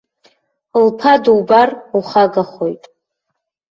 Лԥа дубар ухагахоит!